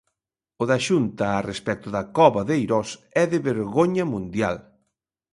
O da Xunta a respecto da Cova de Eirós é de vergoña mundial.